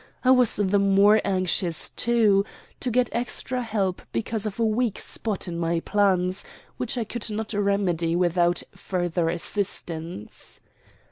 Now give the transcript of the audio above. I was the more anxious, too, to get extra help because of a weak spot in my plans, which I could not remedy without further assistance.